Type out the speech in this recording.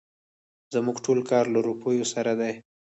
زموږ ټول کار له روپيو سره دی.